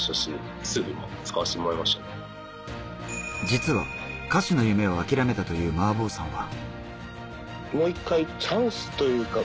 実は歌手の夢を諦めたというｍａａｂｏｏさんは。